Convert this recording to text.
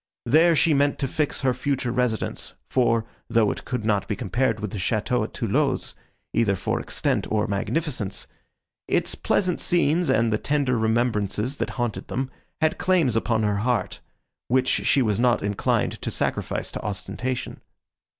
There she meant to fix her future residence, for, though it could not be compared with the château at Thoulouse, either for extent, or magnificence, its pleasant scenes and the tender remembrances, that haunted them, had claims upon her heart, which she was not inclined to sacrifice to ostentation.